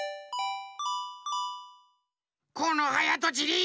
このはやとちり！